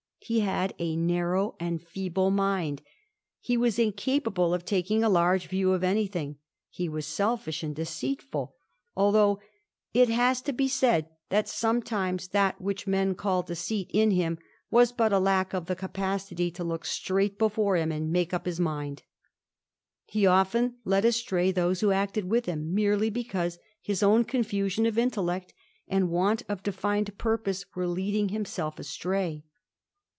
He had a narrow and feeble mind ; he was incapable of taking a large view of anything ; he was selfish and deceitful ; al: hough it has to be said that sometimes that which men called deceit in him was but a lack of the capacity to look straight before him and make up his mind. He often led astray those who acted with him merely because his own confusion of intellect and want of defined purpose were leading himself astray.